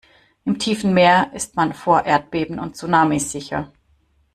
Im tiefen Meer ist man vor Erdbeben und Tsunamis sicher.